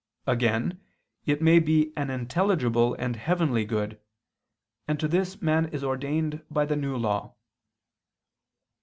Again it may be an intelligible and heavenly good: and to this, man is ordained by the New Law.